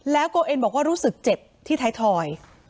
แล้วก็เองบอกว่ารู้สึกเจ็บที่ถ่ายทอย